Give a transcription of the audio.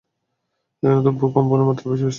এখানে তো ভূকম্পনের মাত্রা বেশ বেশি।